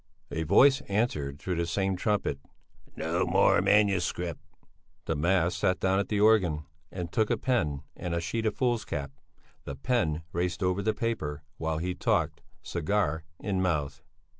A voice answered through the same trumpet: "No more manuscript." The mask sat down at the organ, and took a pen and a sheet of foolscap. The pen raced over the paper while he talked, cigar in mouth.